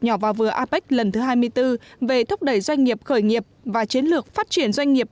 nhỏ và vừa apec lần thứ hai mươi bốn về thúc đẩy doanh nghiệp khởi nghiệp và chiến lược phát triển doanh nghiệp